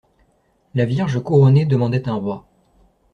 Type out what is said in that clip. La Vierge couronnée demandait un roi.